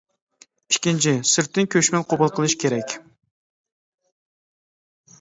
ئىككىنچى، سىرتتىن كۆچمەن قوبۇل قىلىش كېرەك.